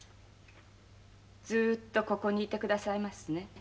ずっとここにいてくださいますね？